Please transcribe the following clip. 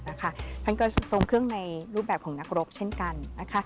ท่านก็ทรงเครื่องในรูปแบบของนักรบเช่นกันนะคะ